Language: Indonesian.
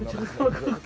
boleh om ya